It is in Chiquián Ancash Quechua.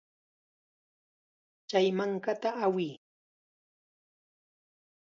Chay mankata awiy.